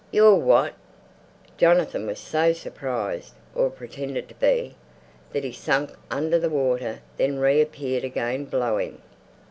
"You're WHAT?" Jonathan was so surprised—or pretended to be—that he sank under the water, then reappeared again blowing.